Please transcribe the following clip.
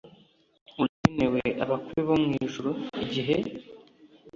ugenewe abakwe bo mu ijuru, igihe